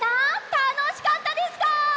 たのしかったですか？